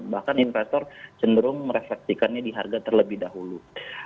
bahkan investor cenderung merefleksikannya di harga terlebih dahulu